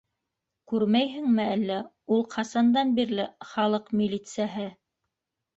Күрмәйһеңме әллә, ул ҡасандан бирле халыҡ милитсәһе.